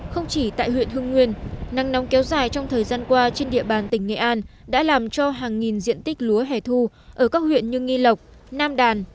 không chỉ tại huyện hưng nguyên nắng nóng kéo dài trong thời gian qua trên địa bàn tỉnh nghệ an đã làm cho hàng nghìn diện tích lúa hẻ thu ở các huyện như nghi lộc nam đàn